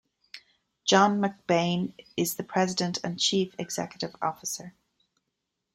John McBain is the President and Chief Executive Officer.